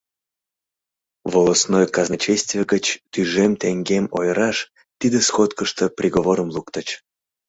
Волостной казначействе гыч тӱжем теҥгем ойыраш тиде сходкышто приговорым луктыч.